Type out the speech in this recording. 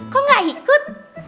kok gak ikut